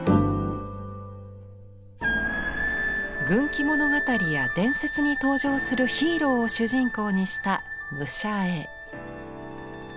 軍記物語や伝説に登場するヒーローを主人公にした武者絵。